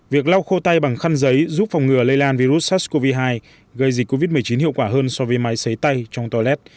việc lau khô tay bằng khăn giấy giúp phòng ngừa lây lan virus sars cov hai gây dịch covid một mươi chín hiệu quả hơn so với máy xấy tay trong toilet